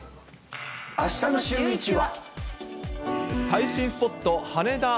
あしたのシューイチは。